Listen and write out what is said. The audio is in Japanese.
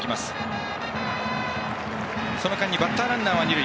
その間にバッターランナーは二塁。